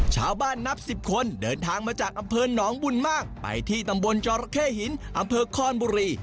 นับ๑๐คนเดินทางมาจากอำเภอหนองบุญมากไปที่ตำบลจรเข้หินอำเภอคอนบุรี